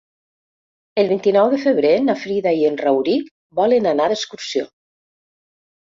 El vint-i-nou de febrer na Frida i en Rauric volen anar d'excursió.